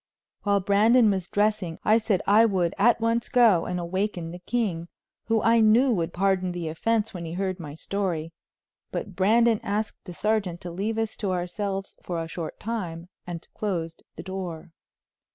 While Brandon was dressing, I said I would at once go and awaken the king, who I knew would pardon the offense when he heard my story, but Brandon asked the sergeant to leave us to ourselves for a short time, and closed the door.